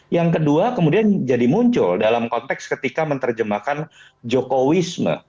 yang kedua kemudian jadi muncul dalam konteks ketika menerjemahkan jokowisme